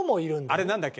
あれなんだっけ？